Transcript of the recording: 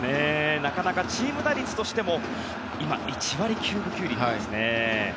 チーム打率としても今、１割９分９厘ですね。